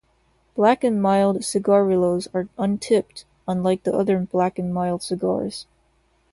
Black and Mild cigarillos are untipped, unlike the other Black and Mild cigars.